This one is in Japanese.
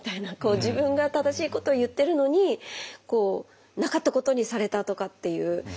自分が正しいことを言ってるのになかったことにされたとかっていう。